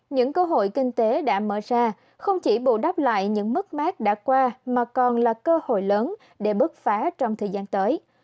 những cơ hội kinh tế đã mở ra không chỉ bù đắp lại những mất mát đã qua mà còn là cơ hội lớn để bước phá trong thời gian tới